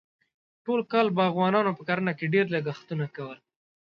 ټول کال باغوانانو په کرنه کې ډېر لګښتونه کول.